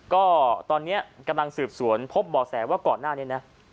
ก็ตอนนี้กำลังสืบสวนพบบ่อแสว่าก่อนหน้านี้นะ